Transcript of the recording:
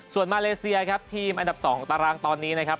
ส่วนมาเลเซียครับทีมอันดับ๒ตารางตอนนี้นะครับ